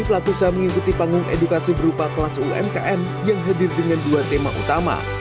pelaku usaha mengikuti panggung edukasi berupa kelas umkm yang hadir dengan dua tema utama